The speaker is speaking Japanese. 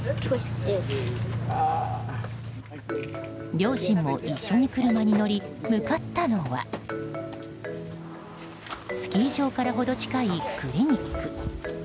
両親も一緒に車に乗り向かったのはスキー場から程近いクリニック。